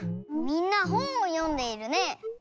みんなほんをよんでいるね。